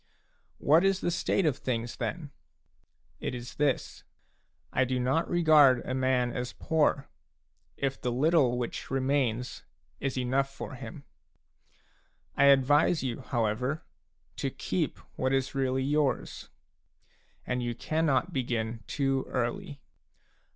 What is the state of things, then ? It is this : I do not regard a man as poor, if the little which remains is enough for him. I advise you, however, to keep what is really yours ; and you cannot begin too early.